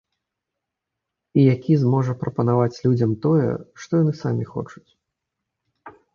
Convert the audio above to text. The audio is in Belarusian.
І які зможа прапанаваць людзям тое, што яны самі хочуць.